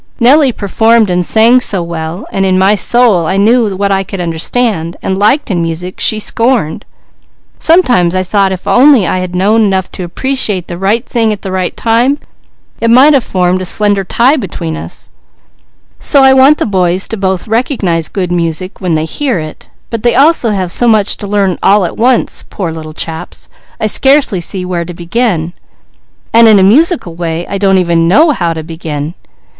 Nellie performed and sang so well, and in my soul I knew what I could understand and liked in music she scorned. Sometimes I thought if I had known only enough to appreciate the right thing at the right time, it might have formed a slender tie between us; so I want the boys both to recognize good music when they hear it; but they have so much to learn all at once, poor little chaps, I scarcely see where to begin, and in a musical way, I don't even know how to begin.